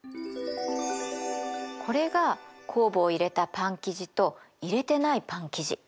これが酵母を入れたパン生地と入れてないパン生地。